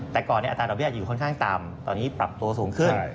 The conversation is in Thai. แต่ก่อนอัตราดอกเบี้ยอยู่ค่อนข้างต่ำตอนนี้ปรับตัวสูงขึ้น